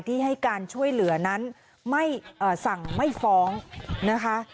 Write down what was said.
ที่ให้การช่วยเหลือนั้นไม่สั่งไม่ฟ้องนะคะ